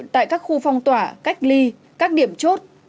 tại các khu phong tỏa cách ly các điểm chốt